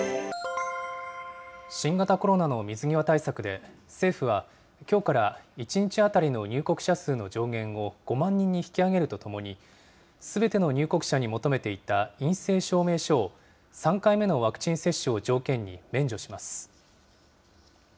新型コロナの水際対策で、政府は、きょうから１日当たりの入国者数の上限を５万人に引き上げるとともに、すべての入国者に求めていた陰性証明書を、３回目のワクチン接種を条件に免除します。